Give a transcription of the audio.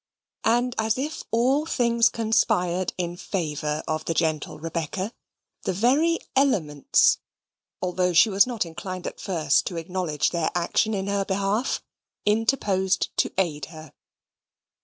And as if all things conspired in favour of the gentle Rebecca, the very elements (although she was not inclined at first to acknowledge their action in her behalf) interposed to aid her.